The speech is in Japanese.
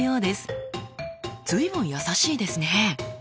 随分優しいですね。